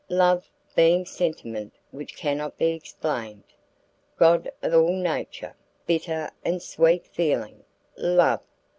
Love being sentiment which cannot be explained! God of all nature! bitter and sweet feeling! Love!